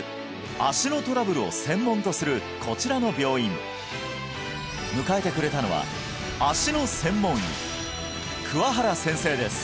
足のトラブルを専門とするこちらの病院迎えてくれたのは足の専門医桑原先生です